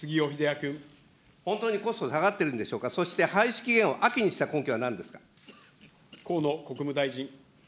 本当にコスト下がってるんでしょうか、そして廃止期限を秋にした根拠はなんですか。